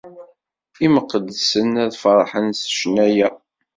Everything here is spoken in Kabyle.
Imqeddsen ad ferḥen s ccan-a.